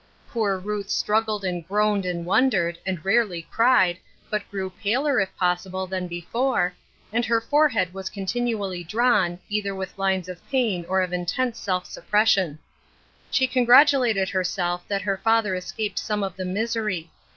Poor Ruth struggled and groaned and wondered, and rarely cried, but grew paler, if possible, than before, and her fore head was continually drawn, either with lines of pain or of intense self suppression. She con gratulated herself that her father escaped some of the misery.